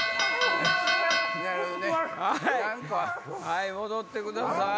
はい戻ってください。